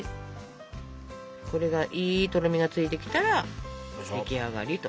これがいいとろみがついてきたら出来上がりと。